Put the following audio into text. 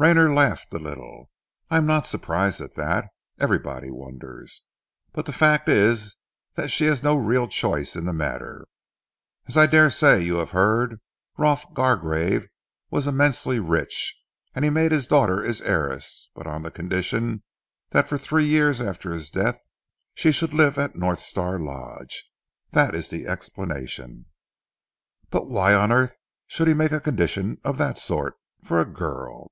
Rayner laughed a little. "I am not surprised at that. Everybody wonders. But the fact is that she has no real choice in the matter. As I dare say you will have heard, Rolf Gargrave was immensely rich, and he made his daughter his heiress, but on the condition that for three years after his death she should live at North Star Lodge. That is the explanation!" "But why on earth should he make a condition of that sort for a girl?"